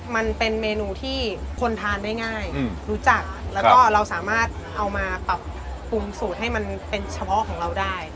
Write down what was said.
มันเป็นเมนูที่คนทานได้ง่ายรู้จักแล้วก็เราสามารถเอามาปรับปรุงสูตรให้มันเป็นเฉพาะของเราได้